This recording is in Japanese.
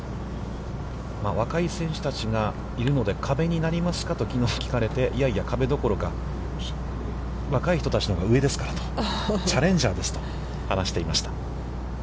若い選手たちがいるので、壁になりますかと、きのう聞かれて、いやいや壁どころか、若い人のほうが上ですからと、チャレンジャーですと話していました。